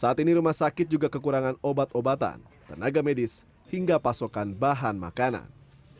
saat ini rumah sakit juga kekurangan obat obatan tenaga medis hingga pasokan bahan makanan